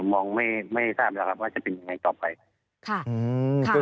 คงไม่ทราบว่าจะเป็นยังไงต่อไป